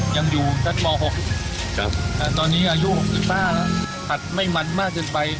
ยังอยู่รัฐม๖ก่อน่ะตอนนี้อายุ๖ตัวละบ้างแรกถาดไม่มันมากเกินไป